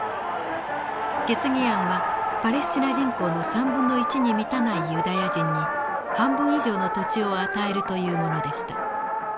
決議案はパレスチナ人口の３分の１に満たないユダヤ人に半分以上の土地を与えるというものでした。